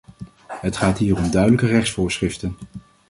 Het gaat hier om duidelijke rechtsvoorschriften.